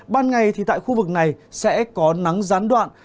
ban ngày thì tại khu vực này sẽ có nắng gián đoạn